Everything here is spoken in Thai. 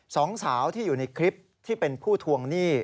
สองสาวที่อยู่ในคลิปที่เป็นผู้ทวงหนี้